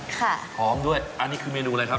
หอมด้วยอันนี้คือเมนูอะไรครับ